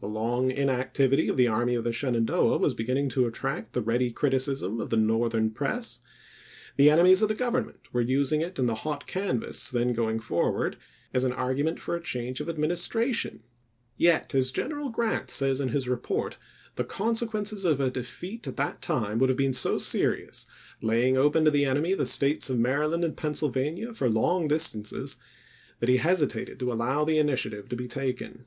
The long inactivity of the Army of the Shenandoah was beginning to attract the ready criticism of the Northern press; the enemies of the Government were using it in the hot canvass then going forward as an argument for a change of Administration. SHERIDAN IN THE SHENANDOAH 299 Grant, " Personal Memoirs." Vol. II., p. 583. Yet — as General Grant says in his report — the ch. xiil consequences of a defeat at that time would have been so serious, laying open to the enemy the States of Maryland and Pennsylvania for long distances, that he hesitated to allow the initiative to be taken.